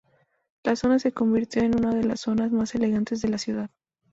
La zona se convirtió en una de las zonas más elegantes de la ciudad.